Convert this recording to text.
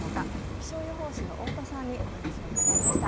気象予報士の太田さんにお話を伺いました。